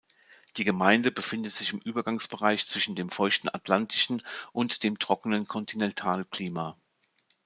Die Gemeinde befindet sich im Übergangsbereich zwischen dem feuchten atlantischen und dem trockenen Kontinentalklima.